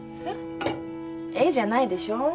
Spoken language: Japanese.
「えっ？」じゃないでしょ。